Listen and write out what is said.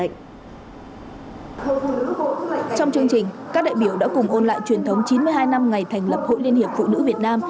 trong chương trình các đại biểu đã cùng ôn lại truyền thống chín mươi hai năm ngày thành lập hội liên hiệp phụ nữ việt nam